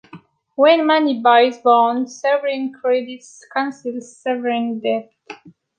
When money buys bonds, sovereign credit cancels sovereign debt.